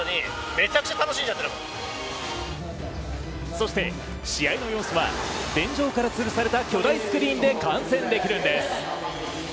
そして、試合の様子は天井からつるされた巨大スクリーンで観戦できるんです。